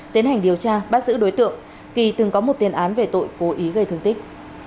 tiến hành điều tra bắt giữ đối tượng kỳ từng có một tiền án về tội cố ý gây thương tích